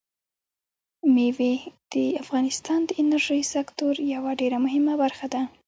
مېوې د افغانستان د انرژۍ سکتور یوه ډېره مهمه برخه ده.